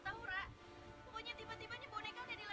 datang sendiri pulang juga sendiri